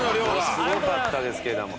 すごかったですけれども。